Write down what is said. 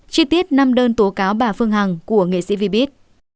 chi tiết năm đơn tố cáo bà phương hằng của nghệ sĩ vbit